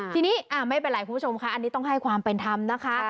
ทีนี้ไม่เป็นไรคุณผู้ชมค่ะอันนี้ต้องให้ความเป็นธรรมนะคะ